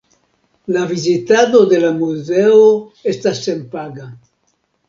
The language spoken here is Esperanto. La vizitado de la muzeo estas senpaga.